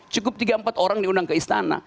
cukup tiga empat orang diundang ke istana